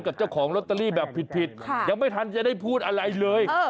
กับเจ้าของลอตเตอรี่แบบผิดยังไม่ทันจะได้พูดอะไรเลย